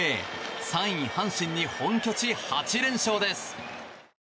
３位阪神に本拠地８連勝です。